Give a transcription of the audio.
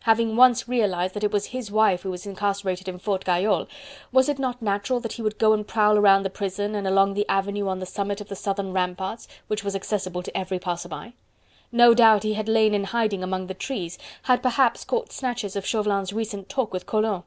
Having once realized that it was his wife who was incarcerated in Fort Gayole, was it not natural that he would go and prowl around the prison, and along the avenue on the summit of the southern ramparts, which was accessible to every passer by? No doubt he had lain in hiding among the trees, had perhaps caught snatches of Chauvelin's recent talk with Collot.